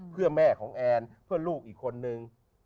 เพื่อแม่ของแอนเพื่อลูกอีกคนนึง